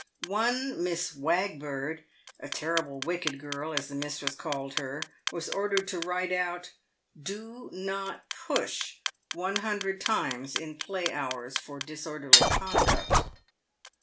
One Miss Wagbird — a terrible, wicked girl, as the mistress called her — was ordered to write out " Do not push !" one PAYED WITH GOLD. 163 hundred times, in play hours, for disorderly conduct.